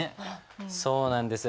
そうなんです。